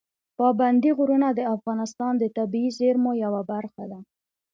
پابندي غرونه د افغانستان د طبیعي زیرمو یوه برخه ده.